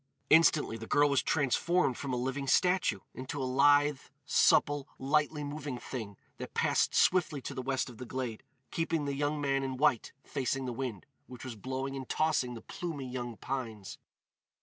Instantly the girl was transformed from a living statue into a lithe, supple, lightly moving thing that passed swiftly to the west of the glade, keeping the young man in white facing the wind, which was blowing and tossing the plumy young pines.